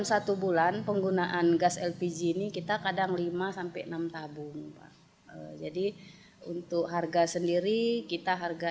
satu bulan penggunaan gas lpg ini kita kadang lima enam tabung jadi untuk harga sendiri kita harga